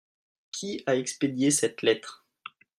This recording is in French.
Qui a expédié cette lettre ?